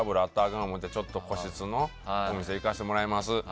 かん思ってちょっと個室のお店に行かせてもらいます。